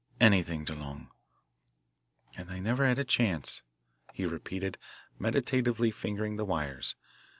"Anything, DeLong." "And I never had a chance," he repeated, meditatively fingering the wires.